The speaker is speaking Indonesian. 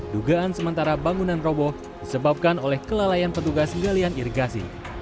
dugaan sementara bangunan roboh disebabkan oleh kelalaian petugas galian irigasi